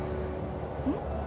うん？